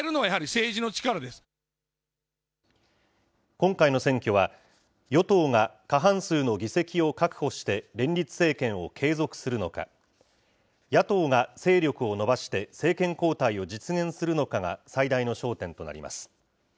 今回の選挙は、与党が過半数の議席を確保して、連立政権を継続するのか、野党が勢力を伸ばして政権交代を実現するのかが最大の焦点となります。